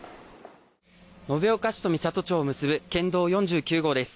延岡市と美郷町を結ぶ県道４９号です。